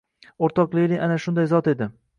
O’rtoq Lenin ana shunday zot edi!